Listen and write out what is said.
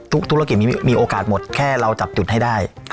ธุรกิจมีโอกาสหมดแค่เราจับจุดให้ได้